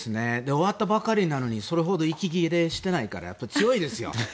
終わったばかりなのにそれほど息切れしてないからやっぱり強いですよ。